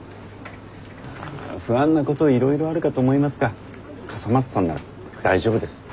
まあ不安なこといろいろあるかと思いますが笠松さんなら大丈夫です。